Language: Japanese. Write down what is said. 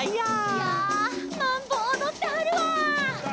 「いゃあマンボおどってはるわ」